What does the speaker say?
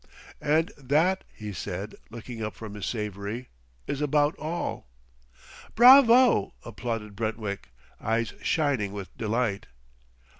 "And that," he said, looking up from his savory, "is about all." "Bravo!" applauded Brentwick; eyes shining with delight.